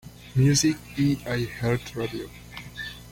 Music y iHeartRadio.